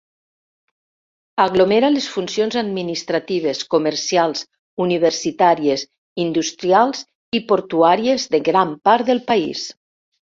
Aglomera les funcions administratives, comercials, universitàries, industrials i portuàries de gran part del país.